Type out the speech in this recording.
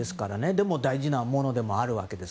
でも大事なものでもあるわけで。